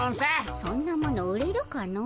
そんなもの売れるかのう。